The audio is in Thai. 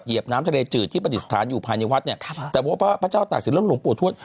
น้ำทะเลจืดที่ปฏิสถานอยู่ภายในวัดเนี่ยแต่ว่าพระเจ้าตากศิลปหลวงปู่ทวด